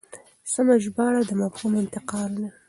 سمه ژباړه د مفهوم انتقال دی.